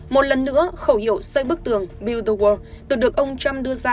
một lần nữa khẩu hiệu xây bức tường build the world được được ông trump đưa ra